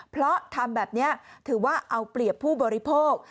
เพราะทำแบบนี้ถือว่าเอาเปรียบผู้บริโภค